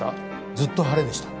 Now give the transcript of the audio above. ずっと晴れでした。